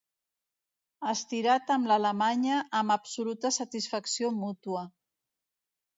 Estirat amb l'alemanya amb absoluta satisfacció mútua.